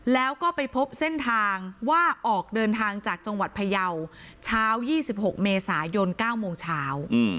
แล้วก็ไปพบเส้นทางว่าออกเดินทางจากจังหวัดพยาวเช้า๒๖เมษายน๙โมงเช้า